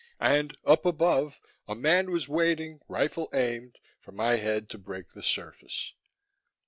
And up above a man was waiting, rifle aimed, for my head to break the surface.